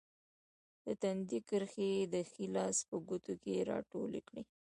د تندي کرښې یې د ښي لاس په ګوتو کې راټولې کړې.